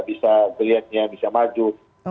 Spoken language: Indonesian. bisa kelihatannya bisa maju